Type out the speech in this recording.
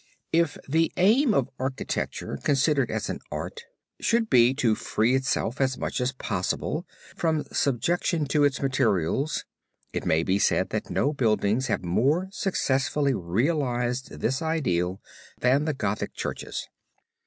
] "If the aim of architecture, considered as an art, should be to free itself as much as possible from subjection to its materials, it may be said that no buildings have more successfully realized this ideal than the Gothic churches.